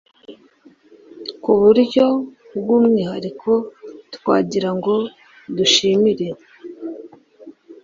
Ku buryo bw’umwihariko twagira ngo dushimire